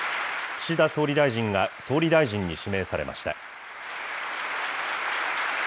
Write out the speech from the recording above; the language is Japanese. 岸田総理大臣が総理大臣に指名されました。